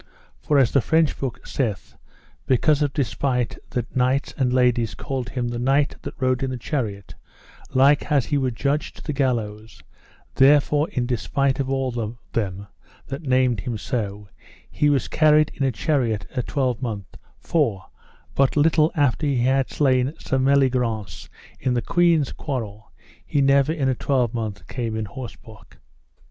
For as the French book saith, because of despite that knights and ladies called him the knight that rode in the chariot like as he were judged to the gallows, therefore in despite of all them that named him so, he was carried in a chariot a twelvemonth, for, but little after that he had slain Sir Meliagrance in the queen's quarrel, he never in a twelvemonth came on horseback.